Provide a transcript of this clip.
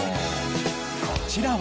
こちらは。